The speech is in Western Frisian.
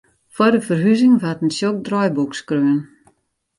Foar de ferhuzing waard in tsjok draaiboek skreaun.